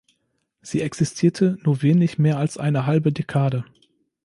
Sie existierte nur wenig mehr als eine halbe Dekade.